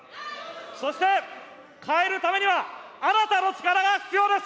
そして変えるためには、あなたの力が必要です。